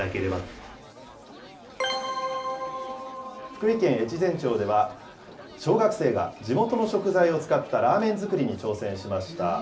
福井県越前町では、小学生が地元の食材を使ったラーメン作りに挑戦しました。